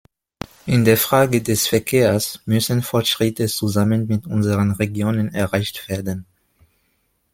In der Frage des Verkehrs müssen Fortschritte zusammen mit unseren Regionen erreicht werden.